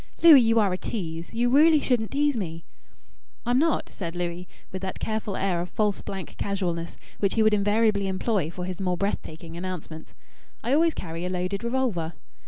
"Louis, you are a tease. You really shouldn't tease me." "I'm not," said Louis, with that careful air of false blank casualness which he would invariably employ for his more breath taking announcements. "I always carry a loaded revolver."